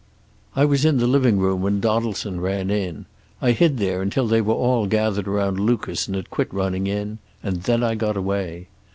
"I was in the living room when Donaldson ran in. I hid there until they were all gathered around Lucas and had quit running in, and then I got away.